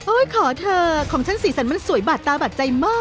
ขอเธอของฉันสีสันมันสวยบาดตาบาดใจมาก